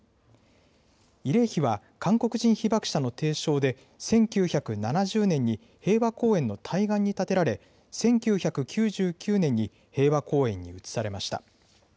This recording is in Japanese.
慰霊碑は韓国人被爆者の提唱で、１９７０年に平和公園の対岸に建てられ、１９９９年に平和公園に移されました。